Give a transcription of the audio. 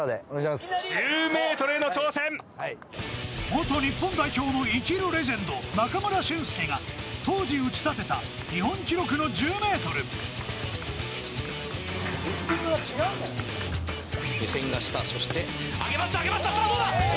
元日本代表の生きるレジェンド中村俊輔が当時打ち立てた目線が下そして上げましたさあどうだ？